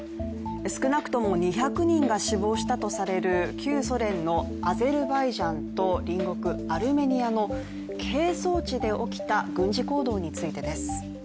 少なくとも２００人が死亡したとされる旧ソ連のアゼルバイジャンと隣国アルメニアの係争地で起きた軍事行動についてです。